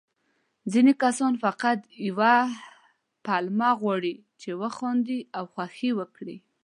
ځيني کسان فقط يوه پلمه غواړي، چې وخاندي او خوښي وکړي.